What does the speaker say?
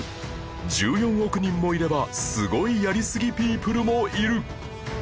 １４億人もいればすごいやりすぎピープルもいる！